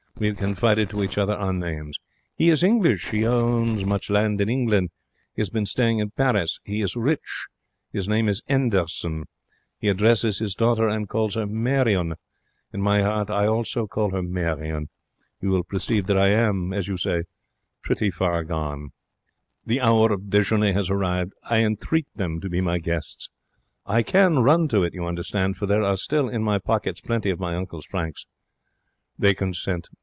We have confided to each other our names. He is English. He owns much land in England. He has been staying in Paris. He is rich. His name is 'Enderson. He addresses his daughter, and call her Marion. In my 'eart I also call her Marion. You will perceive that I am, as you say, pretty far gone. The hour of dejeuner has arrived. I entreat them to be my guests. I can run to it, you understand, for there are still in my pockets plenty of my uncle's francs. They consent.